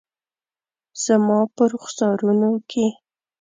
زما په رخسارونو کې